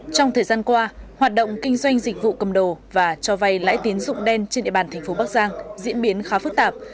trong thời gian qua hoạt động kinh doanh dịch vụ cầm đồ và cho vay lãi tín dụng đen trên địa bàn thành phố bắc giang diễn biến khá phức tạp